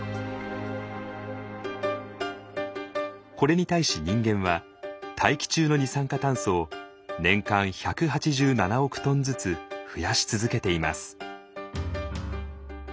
これに対し人間は大気中の二酸化炭素を年間１８７億トンずつ増やし続けています。